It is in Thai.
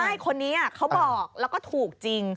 ใช่คนนี้เขาบอกแล้วก็ถูกจริง